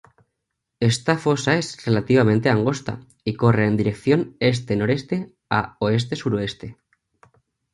Esta fosa es relativamente angosta y corre en dirección este-noreste a oeste-suroeste.